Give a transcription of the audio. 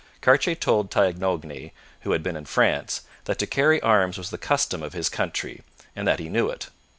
Cartier told Taignoagny, who had been in France, that to carry arms was the custom of his country, and that he knew it.